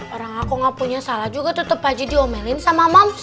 orang aku gak punya salah juga tetap aja diomelin sama mama